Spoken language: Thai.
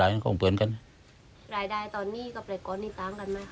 รายได้ตอนนี้ก็เป็นมากหนึ่งตั้งกันไหมครับ